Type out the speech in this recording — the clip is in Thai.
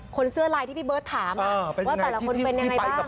คนเสื้อลายที่พี่เบิร์ตถามว่าแต่ละคนเป็นยังไงบ้าง